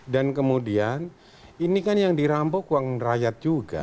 dan kemudian ini kan yang dirampok uang rakyat juga